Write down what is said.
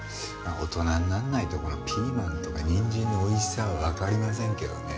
大人になんないとピーマンとかにんじんのおいしさはわかりませんけどね。